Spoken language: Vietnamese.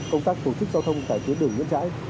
công tác tổ chức giao thông tại tuyến đường nguyễn trãi